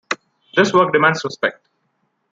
This work demands respect.